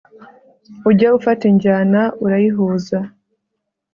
Uje ufata injyana urayihuza